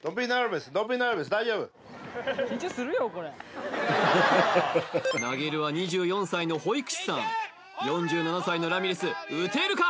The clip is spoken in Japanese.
大丈夫投げるは２４歳の保育士さん４７歳のラミレス打てるか？